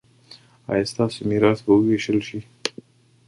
ایا ستاسو میراث به ویشل شي؟